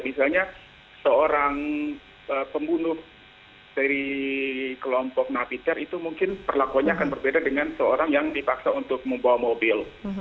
misalnya seorang pembunuh dari kelompok napiter itu mungkin perlakuannya akan berbeda dengan seorang yang dipaksa untuk membawa mobil